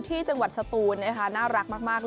ที่จังหวัดสตูนนะครับ